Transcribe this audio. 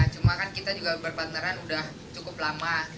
cuma kan kita juga berpateran udah cukup lama